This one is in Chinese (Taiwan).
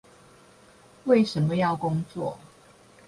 為什麼要工作？